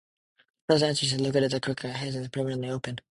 The southern entrance is located at Crookhaven Heads and is permanently open.